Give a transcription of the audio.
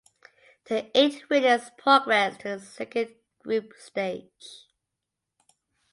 The eight winners progress to the second group stage.